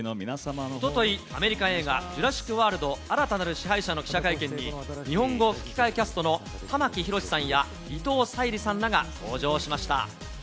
おととい、アメリカ映画、ジュラシック・ワールド新たなる支配者の記者会見に、日本語吹き替えキャストの玉木宏さんや伊藤沙莉さんらが登場しました。